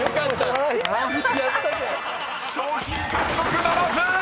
［賞品獲得ならず！］